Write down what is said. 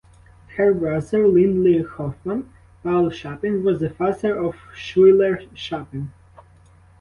Her brother Lindley Hoffman Paul Chapin was the father of Schuyler Chapin.